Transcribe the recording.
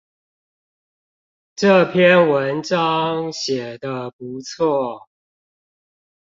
這篇文章寫的不錯